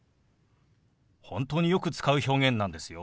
本当によく使う表現なんですよ。